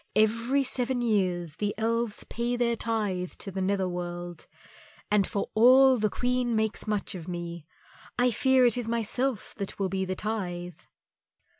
Every seven years the Elves pay their tithe to the Nether world, and for all the Queen makes much of me, I fear it is myself that will be the tithe."